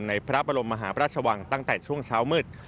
พระบรมมหาพระราชวังตั้งแต่ช่วงเช้ามืด